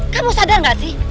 kamu sadar gak sih